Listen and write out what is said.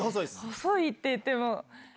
細いっていっても。